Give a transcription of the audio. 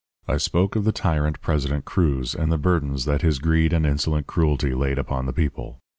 I spoke of the tyrant President Cruz and the burdens that his greed and insolent cruelty laid upon the people.